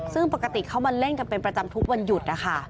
ซึ่งปกติเขามาเล่นกันเป็นประจำทุกวันหยุดนะคะ